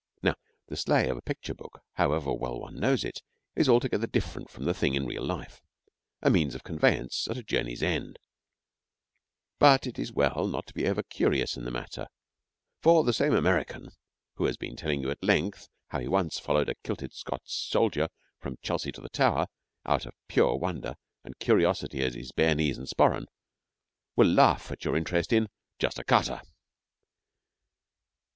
Now the sleigh of a picture book, however well one knows it, is altogether different from the thing in real life, a means of conveyance at a journey's end; but it is well not to be over curious in the matter, for the same American who has been telling you at length how he once followed a kilted Scots soldier from Chelsea to the Tower, out of pure wonder and curiosity at his bare knees and sporran, will laugh at your interest in 'just a cutter.'